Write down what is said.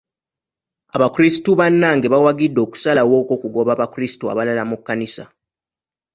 Abakrisitu bannange bawagidde okusalawo okw'okugoba abakrisitu abalala mu kkanisa.